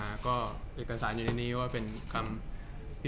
จากความไม่เข้าจันทร์ของผู้ใหญ่ของพ่อกับแม่